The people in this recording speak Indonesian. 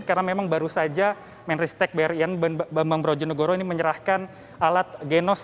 karena memang baru saja menteri stek bri bambang brojonegoro ini menyerahkan alat ginos